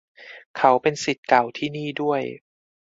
เขาเป็นศิษย์เก่าที่นี่ด้วย